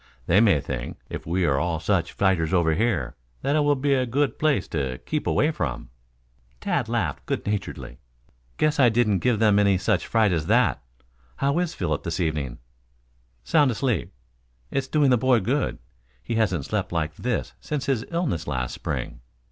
They may think, if we are all such fighters over here, that it will be a good place to keep away from." Tad laughed good naturedly. "Guess I didn't give them any such fright as that. How is Philip this evening?" "Sound asleep. It's doing the boy good. He hasn't slept like this since his illness last spring."